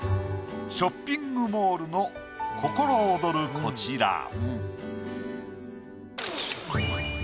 ショッピングモールの心躍るこちら。